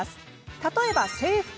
例えば制服。